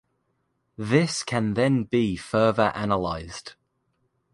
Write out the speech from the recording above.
This can then be further analysed.